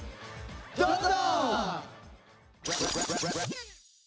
どうぞ！